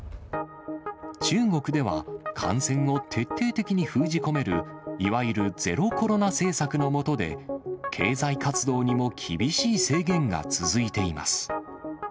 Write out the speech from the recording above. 中国では、感染を徹底的に封じ込める、いわゆるゼロコロナ政策の下で、経済活動にも厳しい制限が続いています。